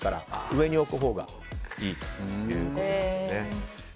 上に置くほうがいいということです。